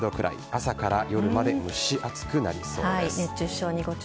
朝から夜まで蒸し暑くなりそうです。